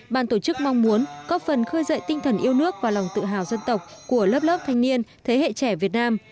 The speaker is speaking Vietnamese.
ban tổ chức mong muốn góp phần khơi dậy tinh thần yêu nước và lòng tự hào dân tộc của lớp lớp thanh niên thế hệ trẻ việt nam